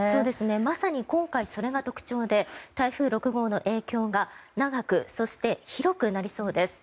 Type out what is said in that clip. まさに今回それが特徴で台風６号の影響が長く、そして広くなりそうです。